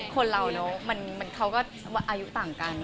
คนเราแล้วเขาก็อายุต่างกัน